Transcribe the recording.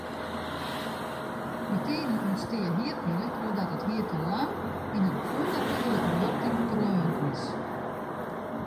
Bytiden ûntstiet hierpine trochdat it hier te lang yn in ûnnatuerlike rjochting treaun is.